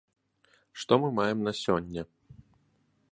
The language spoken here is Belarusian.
Што мы маем на сёння.